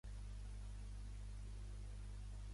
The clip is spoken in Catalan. De l'edifici també destaca l'ús del disc solar alat.